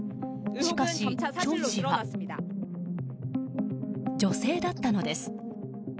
しかし、チョン氏は女性だったのです。